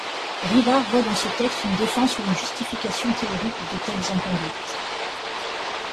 Rivard voit dans ce texte une défense ou une justification théorique de telles inconduites.